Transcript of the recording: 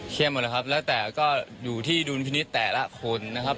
หมดแล้วครับแล้วแต่ก็อยู่ที่ดุลพินิษฐ์แต่ละคนนะครับ